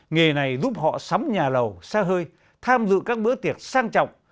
nghề này giúp họ sắm nhà lầu xe hơi tham dự các bữa tiệc sang trọng